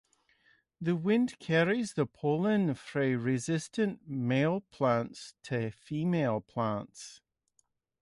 The wind carries the pollen from resistant male plants to female plants.